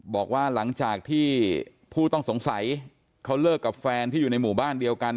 บอกว่าหลังจากที่ผู้ต้องสงสัยเขาเลิกกับแฟนที่อยู่ในหมู่บ้านเดียวกัน